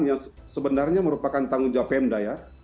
yang sebenarnya merupakan tanggung jawab pemda ya